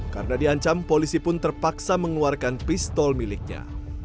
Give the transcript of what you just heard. karena diancam polisi pun terpaksa mengeluarkan pistol miliknya